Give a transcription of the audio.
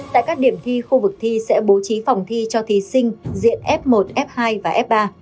tại các điểm thi khu vực thi sẽ bố trí phòng thi cho thí sinh diện f một f hai và f ba